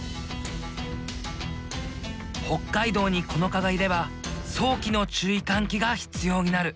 北海道にこの蚊がいれば早期の注意喚起が必要になる。